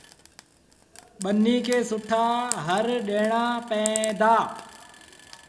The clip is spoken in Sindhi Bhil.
ٻنيٚ کي سُٺآ هر ڏيٚڻآݩ پئيٚن دآ۔